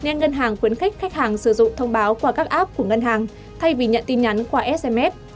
nên ngân hàng khuyến khích khách hàng sử dụng thông báo qua các app của ngân hàng thay vì nhận tin nhắn qua sms